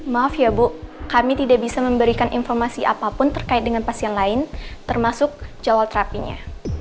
maaf ya bu kami tidak bisa memberikan informasi apapun terkait dengan pasien lain termasuk jawa terapinya